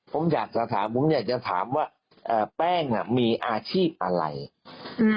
ผมอยากจะถามผมอยากจะถามว่าเอ่อแป้งน่ะมีอาชีพอะไรอืม